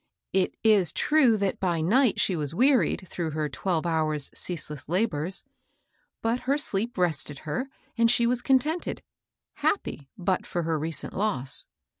It is true that by night she was wearied, through her twelve hours* ceaseless labors ; but her sleep rested her, and she was contented, — happy, but for her recent loss.